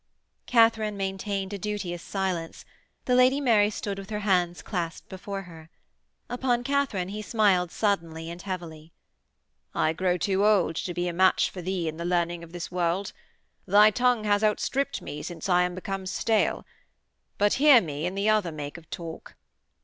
Katharine maintained a duteous silence; the Lady Mary stood with her hands clasped before her. Upon Katharine he smiled suddenly and heavily. 'I grow too old to be a match for thee in the learning of this world. Thy tongue has outstripped me since I am become stale.... But hear me in the other make of talk.'